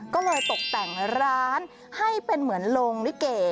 ก็เลยตกแต่งร้านให้เป็นเหมือนโรงลิเก